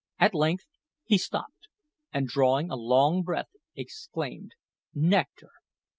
At length he stopped, and drawing a long breath, exclaimed: "Nectar!